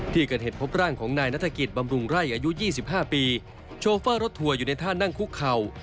ที่เกิดเหตุพบร่างของนายนัฐกิจบำรุงไร่อายุ๒๕ปีโชเฟอร์รถทัวร์อยู่ในท่านั่งคุกเข่า